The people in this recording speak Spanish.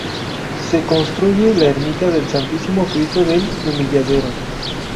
Se construye la ermita del Santísimo Cristo del Humilladero.